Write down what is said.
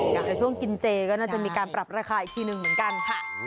แต่ช่วงกินเจก็น่าจะมีการปรับราคาอีกทีหนึ่งเหมือนกันค่ะ